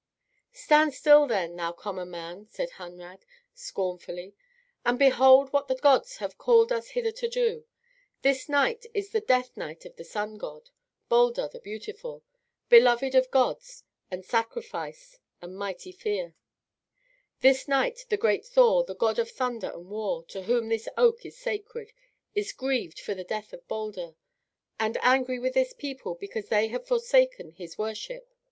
"Stand still, then, thou common man," said Hunrad, scornfully, "and behold what the gods have called us hither to do. This night is the death night of the sun god, Baldur the Beautiful, beloved of gods and men. This night is the hour of darkness and the power of winter, of sacrifice and mighty fear. This night the great Thor, the god of thunder and war, to whom this oak is sacred, is grieved for the death of Baldur, and angry with this people because they have forsaken his worship.